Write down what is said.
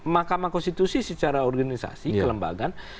mahkamah konstitusi secara organisasi kelembagaan